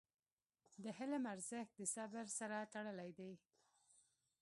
د حلم ارزښت د صبر سره تړلی دی.